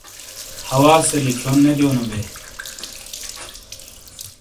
حؤاسے لکھیون نے دیونو بے ۔